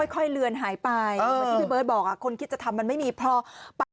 ค่อยเหลือนหายไปเมื่อกี้พี่เบิร์ดบอกคนคิดจะทำมันไม่มีเพราะ